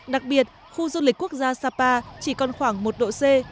đặc biệt khu du lịch quốc gia sapa chỉ còn khoảng một độ c